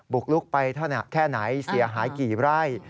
กลุกไปแค่ไหนเสียหายกี่ไร่